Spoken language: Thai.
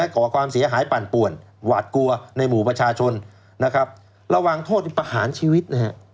ก่อความเสียหายปั่นป่วนหวาดกลัวในหมู่ประชาชนนะครับระหว่างโทษประหารชีวิตนะฮะ